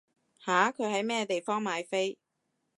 吓？佢喺咩地方買飛？